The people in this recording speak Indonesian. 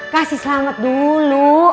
kasih selamat dulu